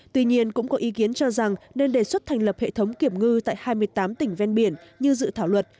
tuy nhiên cũng có ý kiến cho rằng nên đề xuất thành lập hệ thống kiểm ngư tại hai mươi tám tỉnh ven biển như dự thảo luật